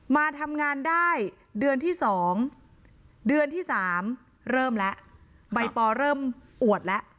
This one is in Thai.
มาทำงานได้เดือนที่๒เดือนที่๓เริ่มแล้วใบปอเริ่มอวดแล้ว